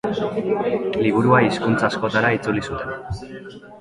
Liburua hizkuntz askotara itzuli zuten.